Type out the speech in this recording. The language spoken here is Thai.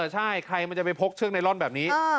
ใช่ใครมันจะไปพกเชือกไนลอนแบบนี้